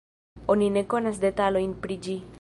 Oni ne konas detalojn pri ĝi.